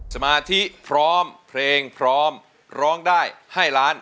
สมาธิพร้อมเพลงพร้อมร้องได้ให้ล้าน